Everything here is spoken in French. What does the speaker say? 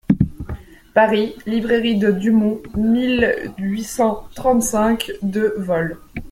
Paris, Librairie de Dumont, mille huit cent trente-cinq, deux vol.